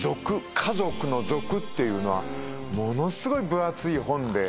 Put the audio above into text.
家族の「族」っていうのはものすごい分厚い本で。